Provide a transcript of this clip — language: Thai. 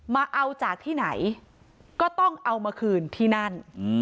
มาเอาจากที่ไหนก็ต้องเอามาคืนที่นั่น